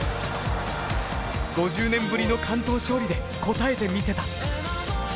５０年ぶりの完投勝利で応えてみせた。